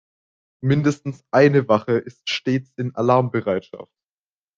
Mindestens eine Wache ist stets in Alarmbereitschaft.